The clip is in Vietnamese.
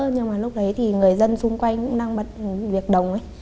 nhưng mà lúc đấy thì người dân xung quanh cũng đang bật việc đồng